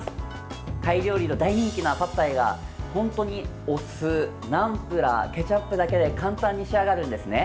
タイ料理の大人気なパッタイが本当にお酢、ナムプラーケチャップだけで簡単に仕上がるんですね。